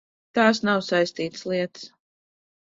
Tās nav saistītas lietas.